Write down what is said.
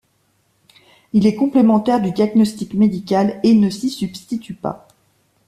Il est complémentaire du diagnostic médical et ne s'y substitue pas.